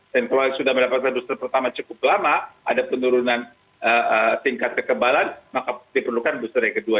dan kalau yang sudah mendapatkan booster pertama cukup lama ada penurunan tingkat kekebalan maka diperlukan booster yang kedua